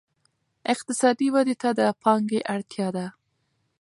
اقتصادي ودې ته د پانګې اړتیا ده.